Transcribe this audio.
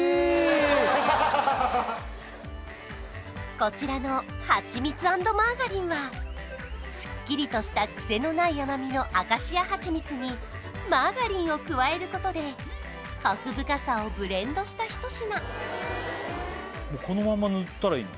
こちらのはちみつ＆マーガリンはスッキリとしたクセのない甘みのアカシアはちみつにマーガリンを加えることでコク深さをブレンドした一品このまま塗ったらいいの？